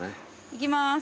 いきます。